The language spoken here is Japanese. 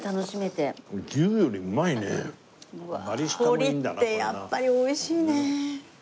鳥ってやっぱり美味しいね。